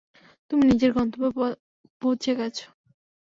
তুমি নিজের গন্তব্যে পৌঁছে গেছ।